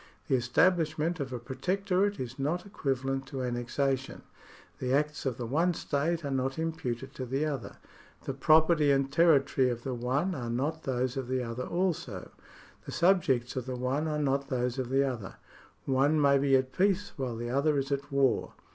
The establishment of a pro tectorate is not equivalent to annexation. The acts of the one state are not imputed to the other ; the property and territory of the one are not those of the other also ; the subjects of the one are not those of the other ; one may be at peace while the other is at war.